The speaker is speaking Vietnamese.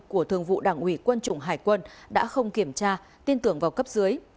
của thường vụ đảng ủy quân chủng hải quân đã không kiểm tra tin tưởng vào cấp dưới